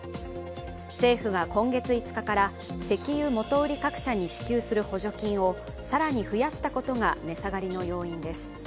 政府が今月５日から石油元売り各社に支給する補助金を更に増やしたことが、値下がりの要因です。